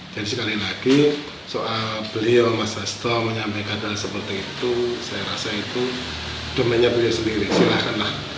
jadi sekali lagi soal beliau mas resto menyampaikan seperti itu saya rasa itu demennya beliau sendiri silakanlah